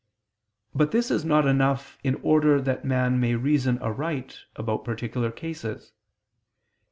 But this is not enough in order that man may reason aright about particular cases.